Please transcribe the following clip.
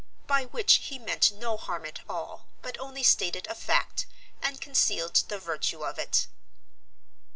By which he meant no harm at all, but only stated a fact, and concealed the virtue of it.